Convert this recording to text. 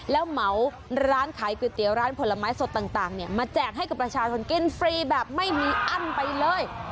แล้วเหมาร้านขายก๋วยเตี๋ยวร้านผลไม้สดต่างมาแจกให้กับประชาชนกินฟรีแบบไม่มีอั้นไปเลย